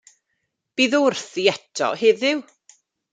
Bydd o wrthi eto heddiw.